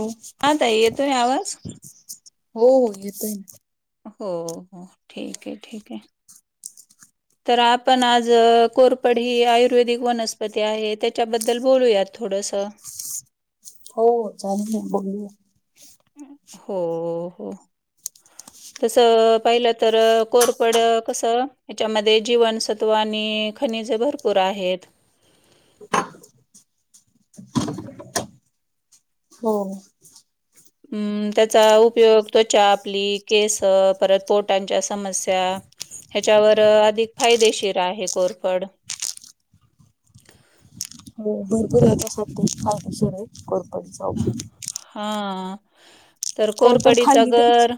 हो. हा ताई येतोय आवाज. हो हो येतोय ना. हो हो ठीक आहे ठीक आहे. [unintelligible] तर आपण आज कोरपड ही आयुर्वेदिक वनस्पती आहे, त्याच्याबद्दल बोलूयात. थोडंस. हो, चालेल आहे बोलूया. हो, हो. [unintelligible] तसं पाहिलं तर कोरपड कस याच्यामध्ये जीवनसत्त्व आणि खनिज भरपूर पुर आहेत. हो. हम्म, त्याचा उपयोग त्वचा, आपली केसं, परत पोटांच्या समस्या ह्याच्यावर अधिक फायदेशीर आहे कोरफड. [unintelligible] हो, त भरपूर याच्या साठी फायदे शीर आहे कोरपडीचा उपयोग. हा, तर कोरफड कोरपडीचा खाल्ली तरी गर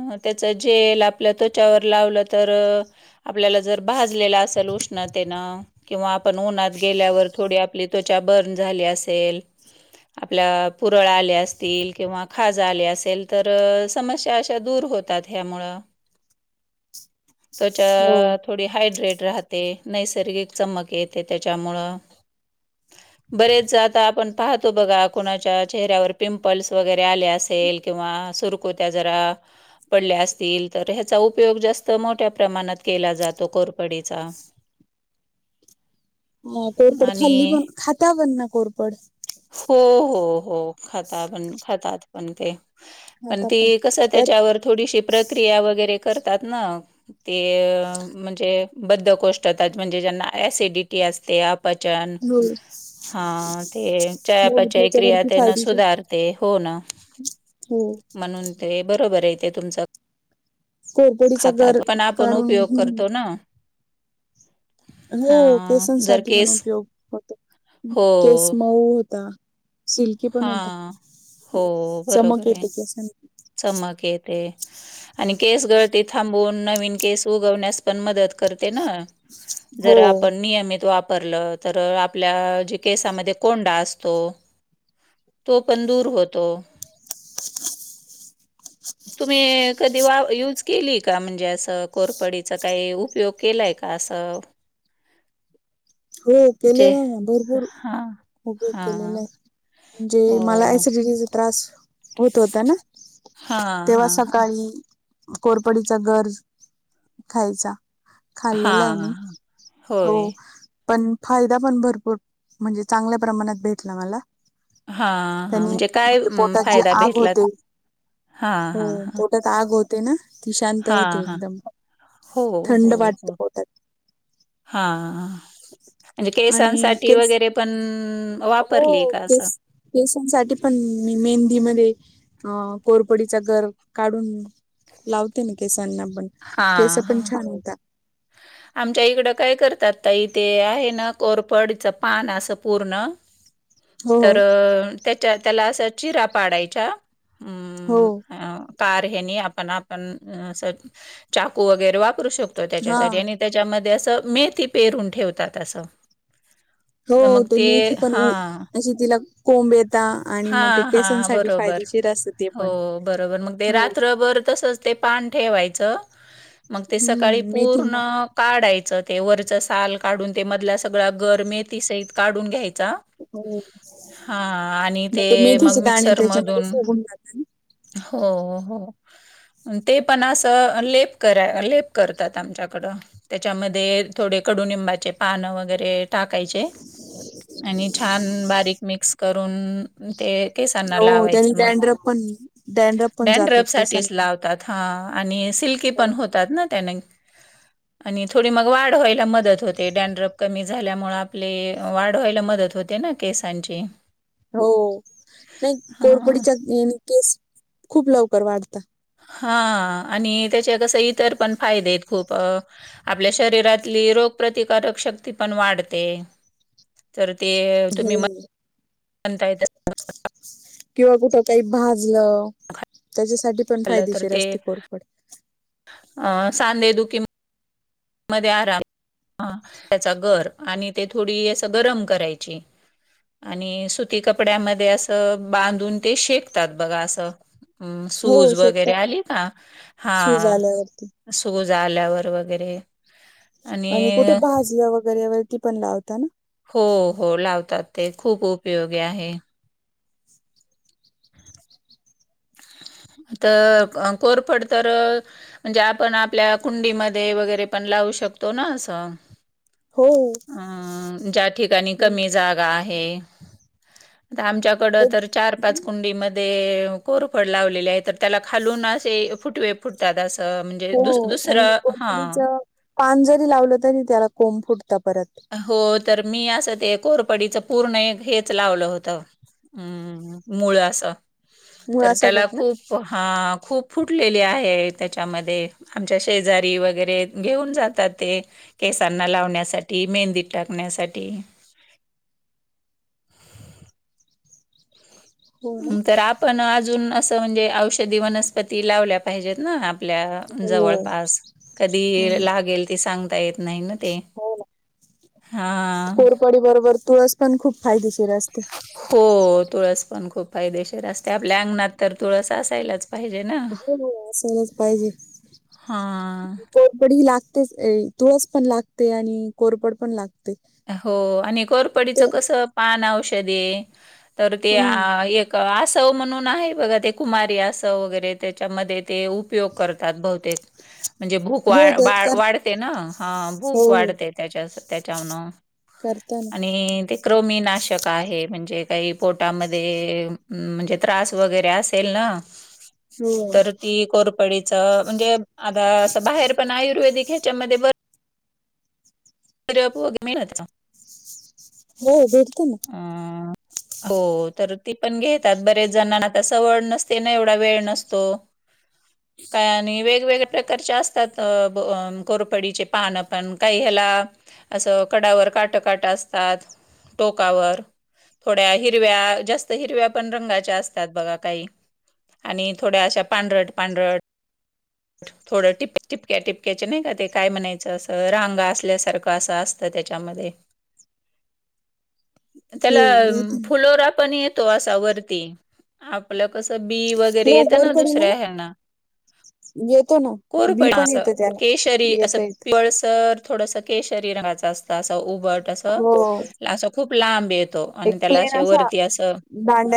अ, त्याच जेल आपलं त्वचावर लावलं तर आपल्याला जर भाजलेला असेल उष्णतेनं किंवा आपण उन्हात गेल्यावर थोडी आपली त्वचा बर्न झाली असेल. आपल्या पुरळ आले असतील, किंवा खाज आले असेल, तर समस्या अशा दूर होतात. यामुळ! [inaudible] त्वचा हो थोडी हायड्रेट राह ते, नैसर्गिक चमक येते त्याच्यामुळं. बरेच आता आपण पाहतो बघा कुणाच्या चेहऱ्यावर पिंपल्स वगैरे आले असेल किंवा सुरकूत्या जरा पडल्या असतील, तर ह्याचा उपयोग जास्त मोठ्या प्रमाणात केला जातो कोरपडीचा. कोरपड खाल्ली आणि पण, खाता पण ना कोरपड? हो हो हो खात पण, खातात पण ते. पण खाता ती कसं तर त्याच्यावर थोडीशी प्रक्रिया वगैरे करतात ना. ते म्हणजे बद्धकोष्टातच म्हणजे ज्यांना ॲसिडिटी असते आप पचन हो हां ते चया हो पचय क्रिया त्याच्यावरती तेना फायदेशीर सुधार ते, हो ना. हो! म्हणून ते बरोबर आहे ते तुमचं. कोरपडीचा गर खातात पण आपण उपयोग काढून करतो ना हो हा जर केसांसाठी पण केस उपयोग होतो हो केस मऊ होता. सिल्की पण हा होता हो चमक बरोबर आहे येत केसांना. चमक येते. आणि केस गळती थांबवून, नवीन केस उगवण्यास पण मदत करते ना! हो जर आपण नियमित वापरल तर आपल्या जे केसामध्ये कोंडा असतो! तो पण दूर होतो. [unintelligible] तुम्ही कधी वा युज केलीय का म्हणजे असं कोरपडीचा काही उपयोग? केलंय का असं? हो जे केलेना ना भरपूर! हां, उपयोग हां, केलेला आहे म्हणजे हो. मला एसिडिटीचा त्रास होत होता ना हां, तेव्हा हां, सकाळी कोरपडीचा गर खायचा. खाल्लेलं आहे हां, मी हां, हो. होय. पण फायदा पण भरपूर म्हणजे चांगल्या प्रमाणात भेटला मला. हा हा त्यांनी म्हणजे काय पोटात जी फायदा आग होते भेटलात? हां हो हां हां! पोटात आग होते ना ती शांत हां, होते हां, एकदम थंड वाटत पोटात. हा म्हणजे आणि केसांसाठी केस वगैरे पण वापरली का असं? केसान साठी पण मी मेहंदी मध्ये अ कोरपडीचा गंर काढून लावते ना केसांना पण. हा केस हा! पण छान होता आमच्या इकडं काय करतात ताई इथे आहे ना कोरपडचं पान असं पूर्ण [inaudible] हो तर त्याच्या त्याला असं चिरा पाडाच्या हो! कार हेनी आपण आपण चाकू वगैरे वापरू शकतो हा त्याच्यासाठी आणि त्याच्यामध्ये असं मेथी पेरून ठेवतात असं. हो तर मग ते मेथी पण हां, अशी तिला कोंबेत आणि मग ते हां, हां, केसांसाठी बरोबर. फायदेशीर असते. हो बरोबर मग ते रात्रभर तसच ते पान ठेवायचं मग ते सकाळी हम्म मेथी पूर्ण मग काढायचं ते वरचं साल काढून ते मधला सगळा गर मेथी सहित काढून घ्यायचा हो हा आणि मग ते मेथीचे मग दाणे मिक्सर त्याच्यामध्ये मधून सोगून जातात ना. हो हो ते पण अस तर लेप करा लेप करतात आमच्याकडं त्याच्यामध्ये थोडे कडुनिंबाचे पान वगैरे टाकायचे आणि छान बारीक मिक्स करून ते केसांना हो त्यानी लावायचं मग डॅनड्रप पण डॅनड्रप पण जातो डॅनड्रफ साठीच केसांना लावतात हा आणि सिल्की हो पण होतात ना त्यान [inaudible] आणि थोडी मग वाढवायला मदत होते डॅनड्रप कमी झाल्यामुळे आपले वाढवायला मदत होते ना केसांची हो नाही हां कोरपडीचा केस खूप लवकर वाढत हा आणि त्याचे कस इतर पण फायदे आहेत खूप अ आपल्या शरीरातली रोगप्रतिकारक शक्ती पण वाढते तर ते हो तुम्ही म्हणताय किंवा कुठ काही भाजलं त्याच्यासाठी पण खाल्लं तर फायदेशीर ते असते कोरपड अ सांधे दु किं मध्ये आराम त्याचा गर आणि ते थोडी अस गरम करायची आणि सुती कपड्यामध्ये असं बांधून ते शेकतात बघा असं हम् हो सूज वगैरे शेकताना आली का हा सूज आल्यावरती सूज आल्यावर वगैरे आणि कुठे भाजी वगैरे व ती पण लावता ना हो हो लावतात ते खूप उपयोगी आहे आता कोरपड तर म्हणजे आपण आपल्या कुंडीमध्ये वगैरे पण लावू शकतो ना असं हो. अ ज्या ठिकाणी कमी जाग आमच्याकड एक तर चार पाच कुंडी म कोरफड लावलेले आहे तर त्याला खालून फुटवे पुरत तसं म्हणजे हो दु आणि दुसरं हा कोरफडीचं पान जरी लावलं तरी त्याला कोंब फुटत परत हो तर मी असं ते कोरपडीच पूर्ण एक हेच लावलं होतं हम्म मूळ असं तर त्याला मुळासकट ना? खूप हा खूप फुटलेली आहे त्याच्यामध्ये आमच्या शेजारी वगैरे घेऊन जातात ते केसांना लावण्यासाठी टी मेहंदीत टाकण्यासाठी हो ना. तर आपण अजून असं म्हणजे औषधी वनस्पती लावल्या पाहिजेत ना आपल्या हो जवळपास हम्म कधी लागेल ते सांगता येत नाही ना ते. हो ना हां. कोरपडी बरोबर तुळस पण खूप फायदेशीर असते हो तुळस पण खूप फायदेशीर असते आपल्या अंगणात तर तुळस असायलाच पाहिजे ना हो हो असालाच पाहिजे हां. कोरपडी लागतेच तुळस पण लागते आणि कोरपड पण लागते हो आणि करपडीचं ते कस पान औषधे तर ते हम्म एक आव म्हणून आहे बघा ते कुमारी असव वगैरे त्याच्यामध्ये ते उपयोग करतात बहतेक म्हणजे भूक वा हो वा त्यात कर वाढते ना हा हो भूक वाढते त्याच्या त्याच्यान करतना ते क्रनाशक आहे म्हणजे काही पोटामध्ये म्हणजे त्रास वगैरे असेल ना. [inaudible] तर ती कोरपडीच म्हणजे आता अस बाहेर पण आयुर्वेदिक ह्याच्यामध्ये भर [unintelligible] हो भेटते ना. हो तर ती पण घेतात. बरेच जणांना आता सवळ नसते ना. एवढा वेळ नसतो. [unintelligible] का आणि वेगवेगळ्या प्रकारच्या असतात. ब कोरपडीचे पानं पण काही ह्याला असं कडावर काट काट असतात. टोकावर. थोड्या हिरव्या, जास्त हिरव्या पण रंगाच्या असतात बघा, काही. आणि थोड्या अशा पांढरट, पांढरट. थोडं टिपक्या- टिपक्याचे नाही का ते? काय म्हणायचं. असं रांगा असल्यासारखं. असं, असतं त्याच्यामध्ये. हो त्याला राहते ना. फुलोरा पण येतो, असा वरती आपलं कसं बी वग वगैरे हो येत ना कोरपडीला दुसऱ्या ह्यांना. येतो ना बी पण कोरपडीच, येतं त्याला केशरी अस, येत येत. पिवळसर थोडस केशरी रंगाच असतं. असं उबट असं, हो असं खूप लांब येतो. एक आणि त्याला प्लेन असे असा वरती असं,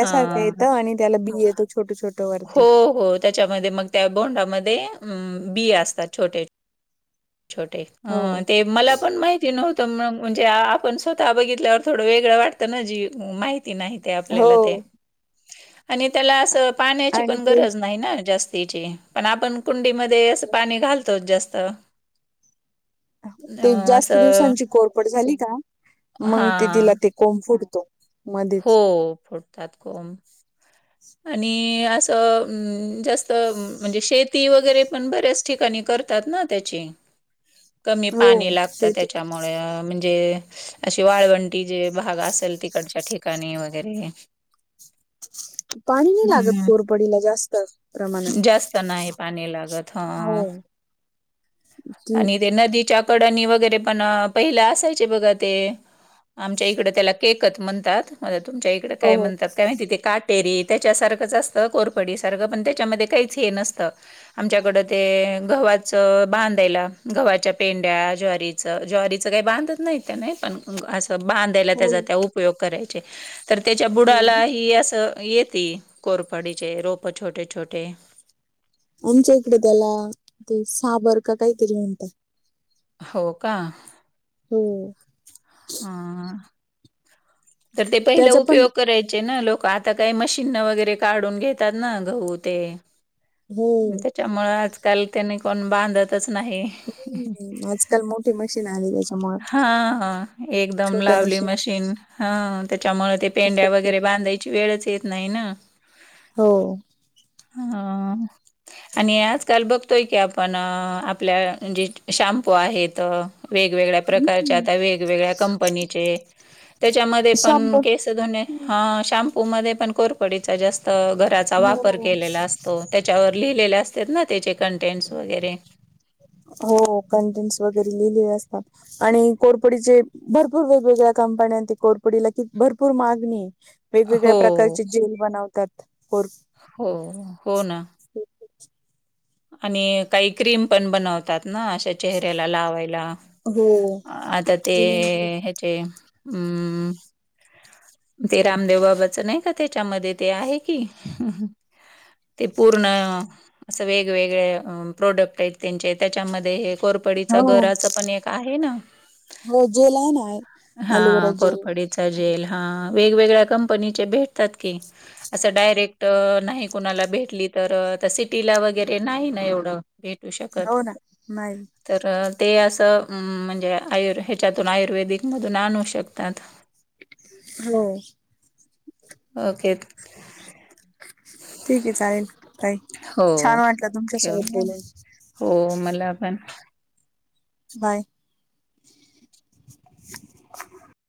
हा, येतं आणि त्याला बी येतं छोटं छोटं वरती हो- हो. त्याच्यामध्ये मग त्या बोंडामध्ये, अ बि असतात. छोटे छोटे. हो हं, ते मला पण माहिती नव्हत. म्हणजे आपण स्वतः बघितल्यावर थोडं वेगळं वाटतं ना. जी माहिती नाही ते हो आपल्याला ते. त्या अस पाण्याची आणि पण ते गरज नाही ना जास्तीची. पण आपण कुंडीमध्ये ते असं, पाणी घालतोत जास्त. ते अं, जास्त असं दिवसांची कोरपड झाली का. मंग ते हां. तिला ते कोंब फुटतो. हो. मध्येच फुटतात कोंब. आणि असं, जास्त म्हणजे शेती वगैरे पण बऱ्याच ठिकाणी करतात ना, त्याची. कमी हो पाणी लागत. शेतीत त्याच्यामुळे, म्हणजे अशी वाळवं ती जे भाग असेल, तिकडच्या ठिकाणी वगैरे. [inaudible] पाणी नाही लागत हं, कोरपडीला जास्त जास्त नाही प्रमाणात. पाणी लागत. हो. हां ती आणि ते नदीच्या कडणी वगैरे पण. पहिला असायचे बघा ते आमच्या इकड त्याला, केकत म्हणतात. तुमच्या इकडे हो काय म्हणतात, काय माहिती. ते का टेरी त्याच्यासारखंच असतं. कोरपडीसारखं पण त्याच्यामध्ये काहीच हे नसतं. आमच्याकडं ते, गव्हाचं बांध यला. गव्हाच्या पेंड्या, ज्वारीचं, ज्वारीच काही बांधत नाही त्या नाही पण असं बांधायला हो त्याचा हो त्या उपयोग करायचे. तर त्याच्या हो बुडाला ना. ही असं येती. कोरपाडीचे रोप, छोटे- छोटे. आमच्या इकडे त्याला, ते साबर का काहीतरी म्हणतात. हो, का. हो. ह. तर ते, त्याचा पहिलं पण उपयोग करायचे ना लोकं. आ आता काय मशीनन वगैरे काढून घेतात ना. गहू ते हो त्यामुळे, आजकाल त्यानी कोण बांधतच नाही. हम्म, आजकाल मोठी मशीन आलीय हा, हा एकदम लावली मशीन. हा. त्याच्यामुळे, ते पेंड्या वगैरे हो. बांधायची वेळच येत नाही ना. हो. हां. आणि आजकाल बघतोय की आपण आपल्या जे शॅम्पू आहेत. वेगवेगळ्या प्रकारचे आता वेगवेगळ्या कंपनीचे त्याच्यामध्ये पण शंभर तसा हां शाम्पू मध्ये पण कोरपडीचा जास्त गराचा वापर हो. केलेला असतो. त्याच्यावर लिहिलेले असत्यात ना त्याचे कंटेंटस वगैरे. हो कंटेंट्स वगैरे लिहिलेले असतात. आणि कोरपडीचे भरपूर वेगवेगळ्या कंपन्या ते कोरपडीला कि भरपूर मागणी वेगवेगळ्या हो प्रकारचे जेल बनवतात खुप हो. हो ना. आणि काही क्रीम पण बनवतात ना अ ते चेहऱ्याला लावायला हो. आता ते ते हम ते रामदेव बाबाच नाही का त्याच्यामध्ये ते आहे की ते पूर्ण असं वेगवेगळे अ प्रोडक्ट आहेत त्यांचे त्याच्यामध्ये हे कोरपडीचा हो गराच पण एक आहे ना हो जेल आहे ना एलोवेरा हां जेल कोरपडी चा जेल हां वेगवेगळ्या कंपनीचे भेटतात की. असं डायरेक्ट नाही कुणाला भेटली तर अ त्या सिटीला वगैर वगैरे नाही ना एवढ भेटू शकत. हो ना नाही. तर ते असं म्हणजे आयुर ह्याच्यातून आयुर्वेदिकमधून आणू शकतात. हो. ओके. ठीक आहे चालेल ताई हो, छान वाटलं तुमच्या सोबत ठेवूया. बोलून. हो मला पण बाय. [inaudible]